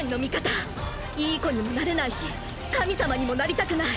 いい子にもなれないし神様にもなりたくない。